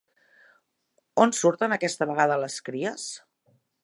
On surten aquesta vegada les cries?